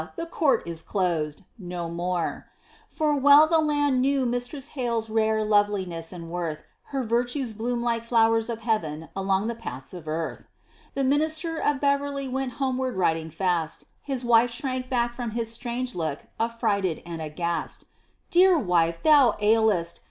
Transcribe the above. the court is closed!" no more: For well the land knew Mistress Hale's rare loveliness and worth; Her virtues bloomed like flowers of heaven along the paths of earth. The minister of Beverly went homeward riding fast; His wife shrank back from his strange look, affrighted and aghast. "Dear wife thou ailest!